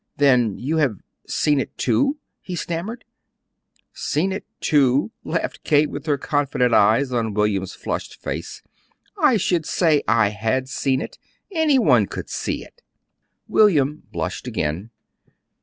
"Then you have seen it too?" he stammered "'Seen it, too,'" laughed Kate, with her confident eyes on William's flushed face, "I should say I had seen it! Any one could see it." William blushed again.